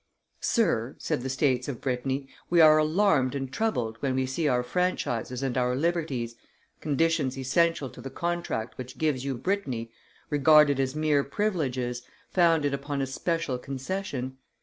"Sir," said the states of Brittany, "we are alarmed and troubled when we see our franchises and our liberties, conditions essential to the contract which gives you Brittany, regarded as mere privileges, founded upon a special concession.